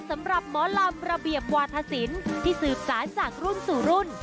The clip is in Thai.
สำหรับหมอลำระเบียบวาธศิลป์ที่สืบสารจากรุ่นสู่รุ่น